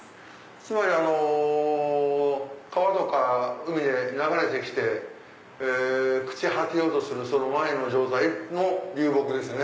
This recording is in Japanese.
つまり川とか海で流れて来て朽ち果てようとするその前の状態の流木ですね。